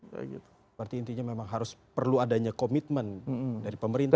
berarti intinya memang harus perlu adanya komitmen dari pemerintah